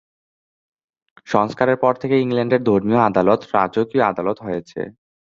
সংস্কারের পর থেকেই ইংল্যান্ডের ধর্মীয় আদালত, রাজকীয় আদালত হয়েছে।